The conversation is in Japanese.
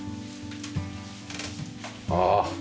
ああ。